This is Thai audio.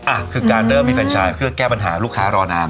อ่ะคือการเริ่มมีแฟนชายเพื่อแก้ปัญหาลูกค้ารอน้ำ